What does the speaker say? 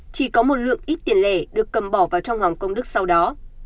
chỉ có một lượng ít tiền lẻ được cầm bỏ vào trong hòng công đức sau đó